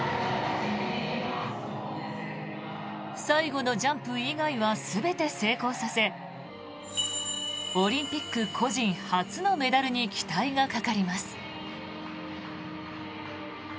最後のジャンプ以外は全て成功させオリンピック個人初のメダルに期待がかかります。